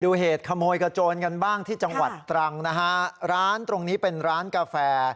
เหตุขโมยกระโจนกันบ้างที่จังหวัดตรังนะฮะร้านตรงนี้เป็นร้านกาแฟ